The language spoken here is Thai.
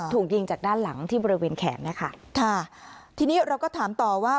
ถูกยิงจากด้านหลังที่บริเวณแขนนะคะค่ะทีนี้เราก็ถามต่อว่า